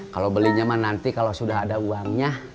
kalo belinya mah nanti kalo sudah ada uangnya